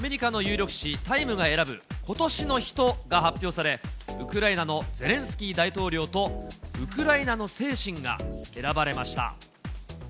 毎年恒例、アメリカの有力誌、タイムが選ぶ今年の人が発表され、ウクライナのゼレンスキー大統領と、ウクライナの精神が選ばれました。